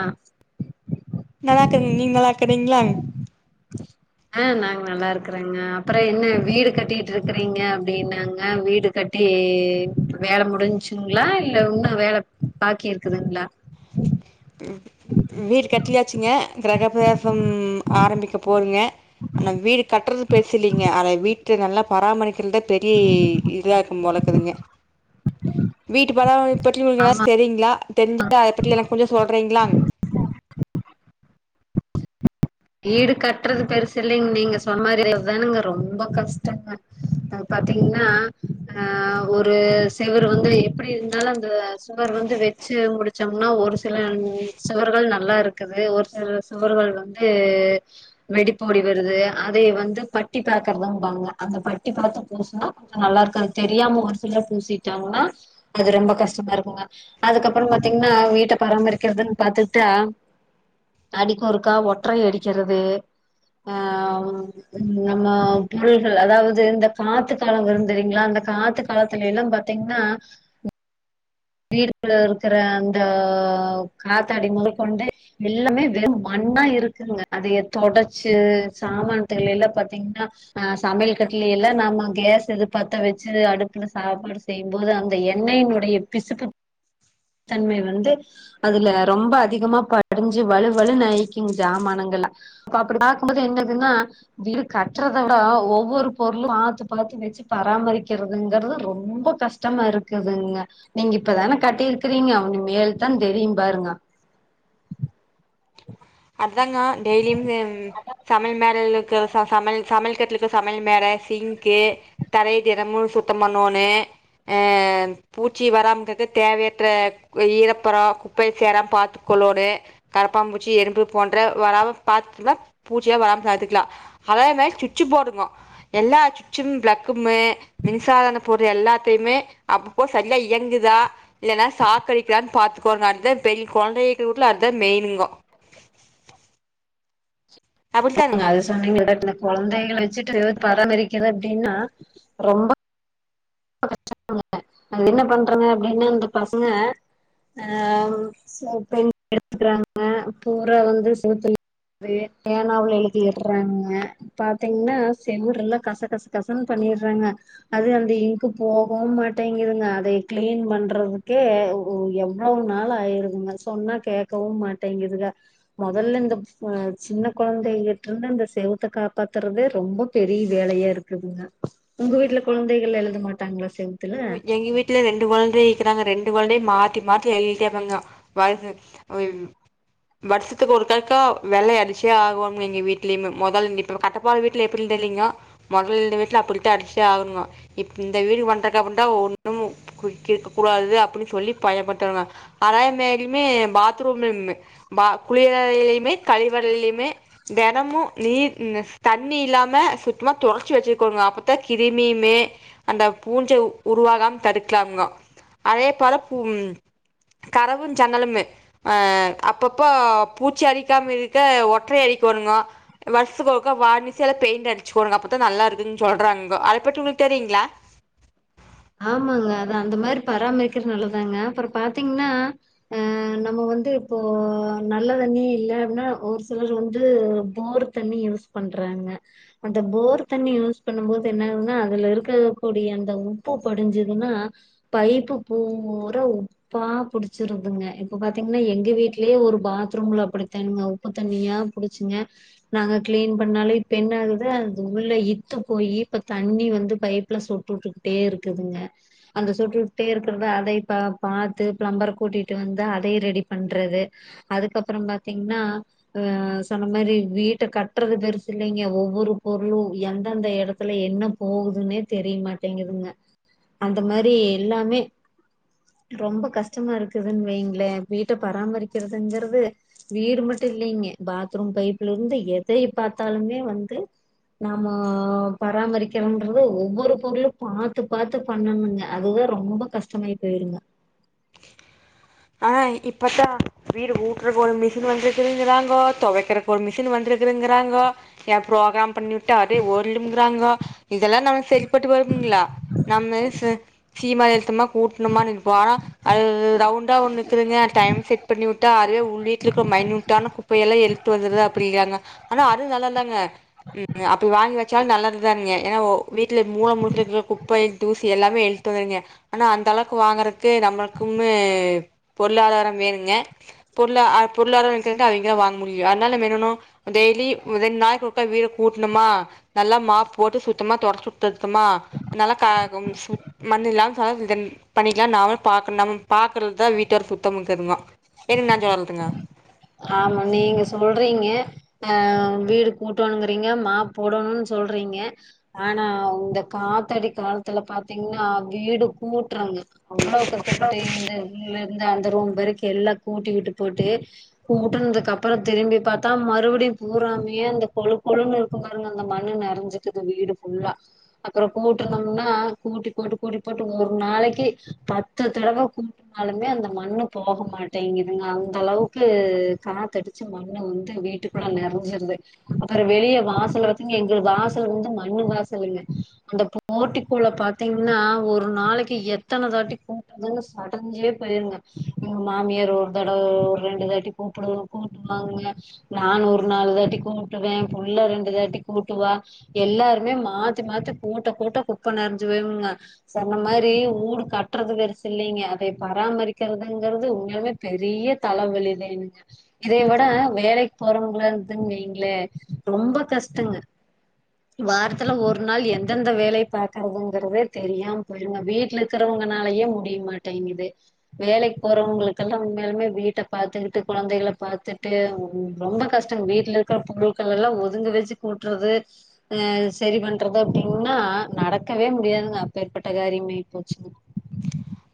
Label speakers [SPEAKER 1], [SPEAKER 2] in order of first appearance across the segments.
[SPEAKER 1] ஆ
[SPEAKER 2] நல்லா இருக்க நீங் நல்லா இருக்கீங்ளா
[SPEAKER 1] ஆ நாங்க நல்லா இருக்கறங்க அப்புற என்ன வீடு கட்டிட்டு இருக்கறீங்க அப்டின்னாங்க வீடு கட்டி வேல முடிஞ்சுங்ளா இல்ல இன்னும் வேல பாக்கி இருக்குதுங்ளா
[SPEAKER 2] வீடு கட்டியாச்சுங்க கிரக பிரசம் ஆரம்பிக்க போதுங்க ஆனா வீடு கட்றது பெருசுலீங்க அத வீட்டு நல்லா பராமரிக் க்றது தா பெரிய இதுவா இருக்கும் போலக்குதுங்க வீட்டு பராமரிப்பு பற்றி உங்களுக் எதாச்சு தெரியீங்ளா தெரிஞ்சா அத பற்றி எனக்கு கொஞ்சம் சொல்றீங்ளா
[SPEAKER 1] [inaudible] வீடு கட்றது பெருசு இல்லீங் நீங்க சொன் மாரி அதுதானுங்க ரொம்ப கஷ்டம்ங்க அ பாத்தீங்ன்னா அ ஒரு செவுரு வந்து எப் எப்டி இருந்தாலும் அந்த சுவர் வந்து வெச்சு முடிச்சோம்னா ஒரு சில சுவர்கள் நல்லா இருக்குது ஒரு சில சுவர்கள் வந்து வெடிப்போடி வருது அதே வந்து பட்டி பாக்கறதும்பாங்க அந்த பட்டி பாத்த புதுசா நல்லா இருக்கது தெரியாம ஒரு சில பூசிட்டாங்கன்னா அது ரொம்ப கஷ்டமா இருக்குங்க அதுக்கப்புறம் பாத்தீங்ன்னா வீட்ட பராமரிக்கிறதுன் பாத்துட்டா அடிக்கு ஒருக்கா ஒ ற்றை அடிக்கிறது அ ம் நம்ம பொருள்கள் அதாவ்து இந்த காத்து காலம் வரும் தெரியுங்லா அந்த காத்து காலத்துலேலா பாத் த்தீங்ன்னா வீடுக்குள்ள இருக்கற அந்த காத்தாடி முதகொண்டு எல்லாமே வெறும் மண்ணா இருக்குங்க அதைய தொடச்சு சாமான்த்துல்லைலா பாத்தீங்ன்னா ஆ சமையல் கட்டலே எல்லா நாம கேஸ் எது பத்த வச்சு அடுப்புல சாப்பாடு செய்யும்போது அந்த எண்ணெயினுடைய பிசுப்பு தன்மை வந்து அதுல ரொம்ப அதிகமா படிஞ்சு வலுவலுனு ஆய்க்குங் ஜாமானங்களா அப்ப அப்டி பாக்கும் போது என்னதுன்னா வீடு கட்றத விட ஒவ்வொரு பொருளும் பாத்து பாத்து வச்சு பராமரிக்கிறதுங்கறது ரொம்ப கஷ் டமா இருக்குதுங்க நீங்க இப்பதான கட்டியிருக்கிறீங்க இனு மேல் தா தெரியும் பாருங்க
[SPEAKER 2] அதாங்க டெய்லியும் ம் சமையல் மேடைலளுக்கு சமையல் சமையல் கட்லுக்கு சமையல் மேட சிங்க்கு தரைய தினமும் சுத்தம் பண்ணோன்னு பூச்சி வராமங்கக்கு தேவையற்ற ஈரப்புறம் குப்பை சேரா பாத்துக்கொள்ளோனு கரப்பாம்பூச்சி எரும்பு போன்ற வராம பாத்துகுன்னா பூச்சியே வராம பாத்துக்கலாம் அதே மாரி சுச்சு போடணும் எல்லா சுச்சும் ப்ளக்குமு மின்சாதன பொருள் எல்லாத்தையுமே அப்பப்போ சரியா இயங்குதா இல்லைன்னா சாக்கடிக்கிதான்னு பாத்துக்கோனு அத தான் பெரிய குழந்தை இருக்றவீட்ல அதான் மெயினுங்கொ
[SPEAKER 1] ஆமாங்க
[SPEAKER 2] அப்டித்தானுங்க
[SPEAKER 1] அது சொன்னீங்க [unintelligible] குழந்தைகள வச்சுட்டு பராமரிக்கிற அப்டின்னா ரொம்ப [unintelligible] அ என்ன பண்றங்க அப்படின்னா இந்த பசங்க ஆ [unintelligible] எடுக்கறாங்க பூரா வந்து [unintelligible] வே பேனாவுல எழதிடுறாங்க பாத்தீங்கன்னா செவர்லாம் கச கச கசன்னு பண்ணிறாங்க அது அந்த இங்க் போகவும் மாட்டேங்குதுங்க அதை கிளீன் பண்றதுக்கே எவ்வளவு நாள் ஆயருதுங்க சொன்னா கேக்கவும் மாட்டேங்குதுக முதல்ல இந்த சின்ன குழந்தைகிட்ட இருந்து இந்த செவத்தை காப்பாத்துறதே ரொம்ப பெரிய வேலையா இருக்குதுங்க உங்க வீட்டுல குழந்தைகள் எழுத மாட்டாங்களா செ
[SPEAKER 2] ஐயோ எங்க வீட் டுல ரெண்டு குழந்தைக இக்கிறாங்க ரெண்டு குழந்தையும் மாத்தி மாத்தி எழுட்டேப்பாங்க பாருங்க வருஷத்துக்கு ஒருதாக்கா வெள்ளை அடிச்சே ஆகோம்னு எங்க வீடலயுமே முதல் இ இப்ப கட்டப்போற வீட்டல எப்டி தெரிலிங்கோ முதல்ல இருந்த வீட்டல அப்படிதா அடிச்சி ஆகணுங்கோ இப் இந்த வீடு வந்த பண்டா குண்டா ஒன்னும் கேக்க கூடாது அப்படின்னு சொல்லி பயபட்டுருவேன் அதாய மேலுமே பாத்ரூம்ல இன்னு பா குளியல் அரைலயுமே கழிவறைலுமே தினமும் நீர் தண்ணி இல்லாம சுத்தமா தொறைச்சு வச்சுக்கோனுங்க அப்பத்தான் கிருமியுமே அந்த பூஞ்சை உருவாகாம தடுக்கலாமங்கோ அதே பால பு கறவும் ஜன்னலுமு ஆஹ் அப்பப்போ பூச்சி அரிக்காம இருக்க ஒற்றரை அரிக்கோணுங்கோ வருஷத்துக்கு ஒரு கா வார்னீஷ் இல்ல பெயண்ட் அடிச்சிக்கோங்க அப்போ தான் நல்லா இருக்கும்னு சொல்கிறாங்ககோ அதுபத்தி உங்களுக்கு தெரியுங்களா
[SPEAKER 1] ஆமாங்க அதான் அந்த மாரி பராமரிக்கிறது நல்லதாங்க அப்புறம் பாத்தீங்கன்னா அஹ நம்ம வந்து இப்போ நல்ல தண்ணியே இல்ல அப்படின்னா ஒரு சிலர் வந்து போர் தண்ணி யூஸ் பண்றாங்க அந்த போர் தண்ணி யூஸ் பண்ணும் போது என்ன ஆகுன்னா அதுல இருக்க கூடிய அந்தக் உ ப்பு படிஞ்சதுன்னா பைப்பு பூறா உப் பா புடிச்சிருதுங்க இப்ப பாத்தீங்கன்னா எங்க வீட்லயே ஒரு பாத்ரூம்ல அப்படித்தானுங்க உப்பு தண்ணியா புடிச்சுங்க நாங்க கிளீன் பண்ணாலும் இப்ப என்ன ஆகுது அது உள்ள இத்து போய் இப்ப தண்ணி வந்து பைப் அல சொட்டு விட்டுக்கிட்டே இருக்குதுங்க அந்த சொட்டுவிட்டே இருக்கிறத அதை பாத்து பிளம்பர் கூட்டிட்டு வந்து அதை ரெடி பண்றது அதுக்கப்புறம் பாத்தீங்கன்னா அஹ சொன்ன மாதிரி வீட்டை கட்டுறது பெருசு இல்லைங்க ஒவ்வொரு பொருளும் எந்தெந்த இடத்துல என்ன போகுதுன்னே தெரிய மாட்டேங்குதுங்க அந்த மாரி எல்லாமே ரொம்ப கஷ்டமா இருக்குதுன்னு வைங்களே வீட்ட பராமரிக்கிறதுங்கறது வீடு மட்டும் இல்லைங்க பாத்ரூம் பைப்ல இருந்து எதை பாத்தாலுமே வந்து நாம பராமரிக்கிறோன்றது ஒவ்வொரு பொருளு பாத்து பாத்து பண்ணணுங்க அதுவே ரொம்ப கஷ்டமாய் போயிருங்க
[SPEAKER 2] ஆ இப்பத்தா வீடு ஊட்றக்கு ஒரு மிஷின் வந்துருக்குதுங்கறாங்கோ தொவைக்கிறக் ஒரு மிஷினு வந்துருக்குதுங்கிறாங்கோ ஏப் ப்ரோக்ராம் பண்ணிவுட்டே அடே ஓர்லும்கிறாங்கோ இதெல்லா நமக் செரிபட்டு வருங்ளா நம்ம ச சீமார் எத்தமா கூட்னமான்னு இருப்போ ஆனா அது ரவுண்டா ஒன்னு இக்குதுங்க டைம் செட் பண்ணி விட்டா அதுவே உள்ளிட்ருக்கு மைனியூட்டான குப் பே எல்லா எழுட்டு வந்துருதா அப்டிகாங்க ஆனா அடு நல்லால்தாங்க அப்பி வாங்கி வெச் ச்சாலு நல்லதுதானுங்கே எனா ஓ வீட்லே மூல முழுக்க இருக்கிற குப்பை தூசி எல்லாமே இழுத்து வந்துருங்க ஆனா அந்த அளவுக்கு வாங்கறக்கு நம்முளுக் கும்மே பொருளாதாரம் வேணுங்க பொருளா அ பொருளாதாரம் [unintelligible] அவிங்கதா வாங் முடியு அத்னால நம்ம என்னனோ டெய்லி ரெண் நாளைக்கு ஒருக்கா வீடக் கூட்ணமா நல்லா மாப் போட்டு சுத்தமா தொடச்சுட் எடுத்தமா நல்லா ககும்சும் மண்ண இல்லா [unintelligible] இப்ப நம்ம பாக்கறதுக்தா வீட்டவர்க் சுத்தமு இக்கதுமா ஏனுங் நா சொல்துங்க
[SPEAKER 1] ஆமா நீங்க சொல்றீங்க அ வீடு கூட்டோணுங்கிறீங்க மாப் போடணுன் சொல்றீங்க ஆனா வுந்த காத்தடி காலத்துல பாத்தீங்னா வீடு கூட்றங்க அவ்ளோ கஷ்டபட்டு இந்த இதுலருந்து அந்த ரூம் வரைக்கி எல்லாக் கூட்டி விட்டு போட்டு கூட்டன்துக்கப்பறந் திரும்பி பாத்தா மறுபுடியு பூராமே அந்த கொழு கொழுனு இருக்கு பாருங்க அந்த மண்ணு நெறஞ்சு துகு வீடு ஃபுல்லா அப்புறோ கூட்டனும்னா கூட்டி போட்டு கூட்டி போட்டு ஒரு நாளைக்கு பத்து தடவ கூட் ஆலுமே அந்த மண்ணு போக மாட்டேங்குதுங்க அந்த அளவுக் கு காத்தடிச்சு மண்ணு வந்து வீட்டுக்குள்ள நெறஞ்சுருது அப்புறோ வெளிய வாசல்ல பாத்தீங்க எங்களுக்கு வாசல் வந்து மண்ணு வாசலுங்க அந்த போட்டிக்கோல பாத்தீங்ன்னா ஒரு நாளைக்கி எத்தன தாட்டி கூட்டுனாலு சடைஞ்சே போயிருங்க எங்க மாமியார் ஒரு தடவ ஒரு ரெண்டு தாட்டி கூப்பிடுனு கூட்டுவாங்க நான் ஒரு நாலு தட்டி கூட்டுவே புள்ள ரெண்டு தாட்டி கூட்டுவா எல்லாருமே மாத்தி மாத்தி கூட்ட கூட்ட குப்ப நெறஞ்சு பேயிருங்க சொன்ன மாரி ஊடு கட்டுறது பெருசு இல்லைங்க அதே பராமரிக்கிறதுங்கிறது உண்மையாலுமே பெரிய தலவெலிதேனுங்க இதே விட வேலைக்கி போறவங்களா இருந்துன்னு வைங்களே ரொம்ப கஷ்டங்க வாரத்துல ஒரு நாள் எந்தெந்த வேலைய பாக்கறதுங்கறதே தெரியாம் போயிருங்க வீட்ல இருக்கறவங்கனாலயே முடிய மாட்டேங்குது வேலைக் போறவங்களுக்கெல்லா உண்மையாலுமே வீ பாத்துக்கிட்டு குழந்தைகள பாத்துட்டு ரொம்ப கஷ்டோ வீட்ல இருக்கிற பொருள்கள் எல்லா ஒதுங்க வெச்சு கூட்றது ஆ செரி பண்றது அப்டின்னா நடக்கவே முடியாதுங்க அப்பேற்பட்ட காரியம் ஆயி போச்சுங்க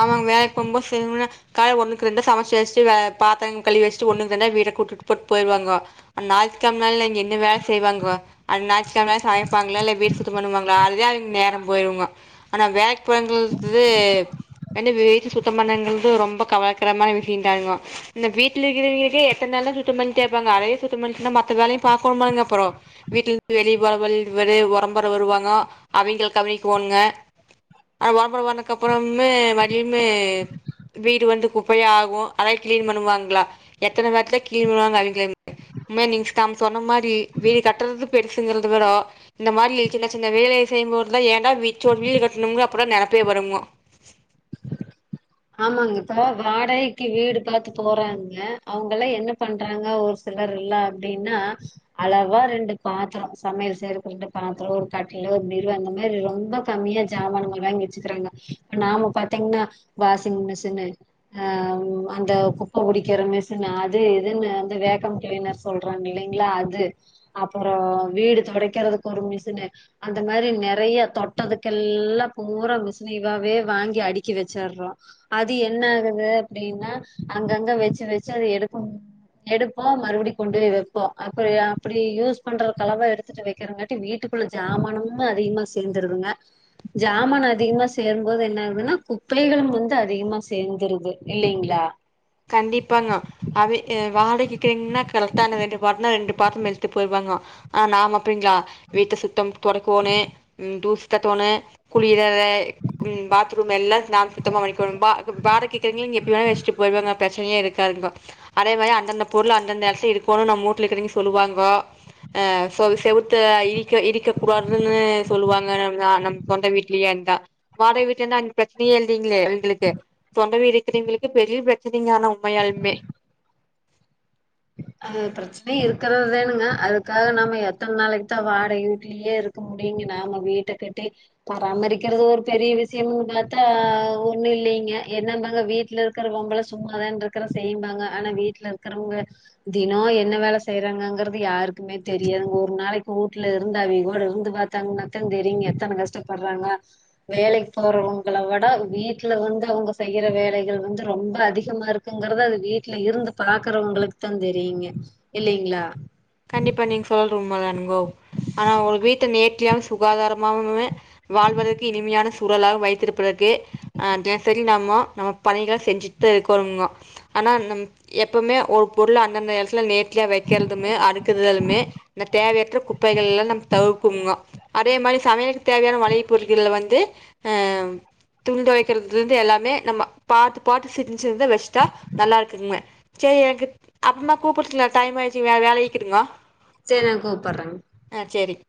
[SPEAKER 2] ஆமாங்க வேலைக்கு போம்போது சிலவ்க கால்ல ஒண்ணுக்கு ரெண்டா சமச்சு வச்சட்டு வே பாத்தர கழுவி வச்சுட்டு ஒன்னுக்கு ரெண்டா வீட்ட கூட்டிட்டு போட்டு போயிருவாங்கோ அந் ஞாயித்துக்கெழமல்ல இங்க என்ன வேல செய்வாங்கோ அன் ஞாய் செம்மையா சமைப்பாங்கலா இல்ல வீடு சுத்தோ பண்ணுவாங்களா அதுலே அவுங்க நேரோ போயிடுங்க ஆனா வேக் போறங்களுத்து என்ட வீடு சுத்த பண்ணங்கிறது ரொம்ப கவலைக்கிடமான விஷயந்தானுங்கோ இந்த வீட்ல இருக்கவிங்களுக்கே எத்தன நேரம்தா சுத்தோ பண்ணிட்டே இருப்பாங்க அதையே சுத்தோ பண்ணிட்டே இருந்தா மத்த வேலையு பாக்கனுமாங்க அப்புறோ வீட்ல விட்டு வெளிய போறமாரி ஒரே ஒரம்பற வருவாங்க அவிங்கள கவனிக்கோணுங்க ஆ ஒரம்பற வந்தக்கு அப்புறமே மதியம்மே வீடு வந்து குப்பையா ஆகு அத க்ளீன் பண்ணுவாங்ளா எத்தனவாட்தா க்ளீன் பண்ணுவாங்க அவிங்களு உண்மையா நீங்க தம் சொன்ன மாரி வீடு கட்டுறது பெருச்சுங்கிறது விடோ இந்த மாரி சின்ன சின்ன வேலை செய்யம்போதுதா ஏன்டா வீட்டோ வீடு கட்டணுன்ற அப்பறோ நெனப்பே வருங்கோ
[SPEAKER 1] ஆமாங்க இப்ப வாடகைக்கி வீடு பாத்து போறாங்க அவங்கல்லா என்ன பண்றாங்க ஒரு ஸ் சிலரில்லா அப்டின்னா அளவா ரெண்டு பாத்திரோ சமையல் செய்யுறக்கு ரெண்டு பாத்திரோ ஒரு கட்லு ஒரு பீரோ அந்த மாரி ரொம்ப கம்மியா சாமானங்கள் வாங்கி வச்சுக்கிறாங்க நாம பாத்தீங்ன்னா வாஷிங் மிஷினு ஆ அந்த குப்ப குடிக்கிற மிஷினு அது இதுன்னு அந்த வேக்கம் கீளினர்ஸ் சொல்றாங்க இல்லைங்களா அது அப்பறோ வீடு தொடைக்கிறதுக்கு ஒரு மிஷின்னு அந்த மாரி நெறைய தொட்டதுக்கு எல்லா பூறா மிஷினேவாவே வாங்கி அடுக்கி வச்சு வெச்சுர்றோ அது என்ன ஆகுது அப்டின்னா அங்கங்க வெச்சு வெச்சு அது எடுக்க எடுப்போ மறுபடியு கொண்டு போய் வெப்போ அப்றோ அப்டி யூஸ் பண்றக்கு அளவா எடுத் எடுத்துடு வைக்கறங்காட்டி வீட்டுக்குள்ள ஜாமானமு அதிகமா சேந்துருதுங்க ஜாமன் அதிகமா சேரும்போது என்ன ஆகுதுன்னா குப்பைகளும் வந்து அதிகமா சேந்துருது இல்லேங்களா
[SPEAKER 2] கண்டிப்பா நா அவே வாடகைக்கிங்ன்னா கரெக்டா ரெண்டு பாட்னா ரெண்டு பாத்தரோ எடுத்து போயிடுவாங்கோ ஆ நாம அப்டிங்களா வீட்ட சுத்தம் தொடைக்கோணு ம் தூசு தட்டோணு குளியலே ம் பாத்ரூம் எல்லா நாம சுத்தமா வைக்கணு பா இப்ப வாடகைக்கி இருக்குறவிங்க எப்டி வேனா வச்சிட்டு பேயிருவாங்க பிரச்சனையே இருக்காதுங்கோ அதே மாரி அந்தந்த பொருளு அந்தந்த எடத்துல இருக்கனு நம்ம வூட்ல இருக்கிறிங்க சொல்லுவாங்கோ ஆ சொ செவுத்த இடிக்க இடிக்க கூடாதுன்னு சொல்லுவாங்க நம் நம்ம சொந்த வீட்லயே இருந்தா வாடகை வீட்ல இருந்தா அங்க பிரச்சனையே இல்லைங்களே எங்களுக்கு சொந்த வீடு இருக்கிறவிங்களுக்கு பெரிய பிரச் செரிங்க ஆனா உண்மையாள்மே
[SPEAKER 1] அ பிரச்சன இருக்கறதுதானுங்க அதுக்காக நம்ம எத்தன் நாளைக்குதா வாடகை வீட்லியேருக் க்க முடியுங்க நாம வீட்ட கட்டே பராமரிக்கிறது ஒரு பெரிய விஷ்யம்னு பாத்தா ஒன்னு இல்லிங்க என்னம்பாங்க வீட் வீட்ல இருக்கற பெம்பள சும்மாதான்ருக்கற செய்யிம்பாங்க ஆனா வீட்ல இருக்கறவுங்க தினோ என்ன வேல செய்றாங்கங்கறது யாருக்குமே தெரியாதுங்க ஒரு நாளைக்கு வூட்ல இருந்து அவிக கூட இருந்து பாத் தாங்னாத்தாந் தெரியுங்க எத்தன கஷ்டப்பர்றாங்க வேலைக் போறவுங்கள விட வீட்ல வந்து அவுங்க செய்யற வேலைகள் வந்து ரொம்ப அதிகமாருக் குங்கறத அது வீட்ல இருந்து பாக்கறவுங்குளுக்குதாந் தெரியுங்க இல்லிங்ளா
[SPEAKER 2] கண்டிப்பா நீங்க சொல்ற உண்மதானுங்கோ ஆனா ஒரு வீட்ட நேற்றியாவு சுகாதாராமாமுமுமே வாழ்வதற்கு இனிமையான சூழலாக வைத்திருப்பதற்கே அ டினசரி நம்மோ நம்ம பணிகள செஞ்சிட்தா இருக்கோனும்ங்கோ ஆனா நம் எப்பவுமே ஒருப் பொருள அந்தந்த எடத்துல நேர்த்லியா வெக்கல்துமே அடுக் க்குதலுமே இந்த தேவையற்றக் குப்பைகள்லா நம் தவுப்புங்கோ அடே மாரி சமையலுக்குத் தேவையான மளிகைப் பொருள்கல வந்து அ துணி தொவைக்கிறதுலந்து எல்லாமே நம்ம பாத்து பாத்து செஞ்சிருந்து வெஸ்ட்டா நல்லாருக்குங்மே சேரி எனக்குத் அப்பமா கூப்புட்துல டைம் ஆயிர்ச்சி வே வேலை இக்கிதுங்கோ
[SPEAKER 1] சேரி நா கூப்பர்றங்
[SPEAKER 2] ஆ சேரிங்